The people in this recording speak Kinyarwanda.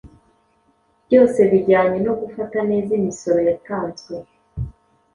byose bijyanye no gufata neza imisoro yatanzwe